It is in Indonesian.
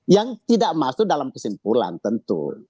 yang tidak masuk dalam kesimpulan tentu